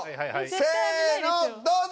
せのどうぞ！